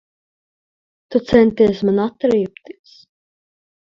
Tu centies man atriebties.